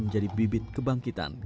menjadi bibit kebangkitan